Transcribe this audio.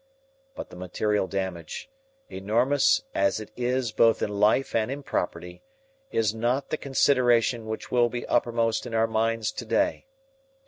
But the material damage, enormous as it is both in life and in property, is not the consideration which will be uppermost in our minds to day.